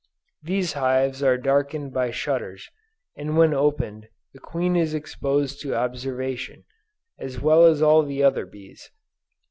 These hives are darkened by shutters, and when opened, the queen is exposed to observation, as well as all the other bees.